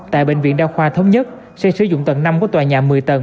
tại bệnh viện đa khoa thống nhất sẽ sử dụng tầng năm của tòa nhà một mươi tầng